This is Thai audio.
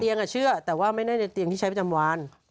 เตียงอะเชื่อแต่ว่าไม่ได้ในเตียงที่ใช้ประจำวัน